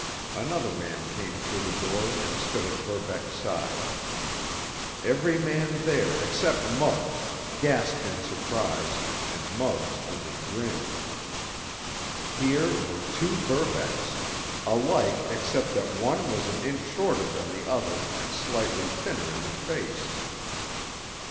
Another man came through the door and stood at Verbeck's side. Every man there except Muggs gasped in surprise, and Muggs only grinned. Here were two Verbecks, alike except that one was an inch shorter than the other and slightly thinner in the face.